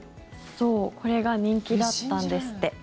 これが人気だったんですって。